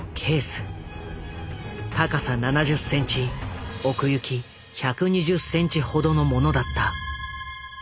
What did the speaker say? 高さ７０センチ奥行き１２０センチほどのものだった。